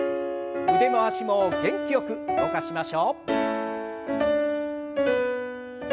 腕回しも元気よく動かしましょう。